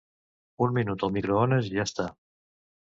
Un minut al microones i ja està.